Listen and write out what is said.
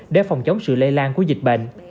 để phòng chống sự lây lan của dịch bệnh